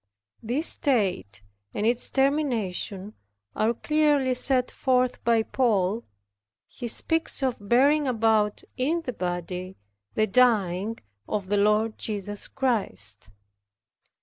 This state and its termination are clearly set forth by Paul. He speaks of bearing about in the body the dying of the Lord Jesus.